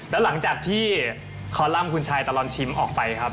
แล้วหลังจากที่คอลัมป์คุณชายตลอดชิมออกไปครับ